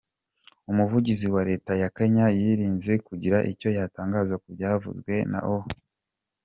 Umuvugizi wa Leta ya Kenya yirinze kugira icyo atangaza ku byavuzwe na Omtatah.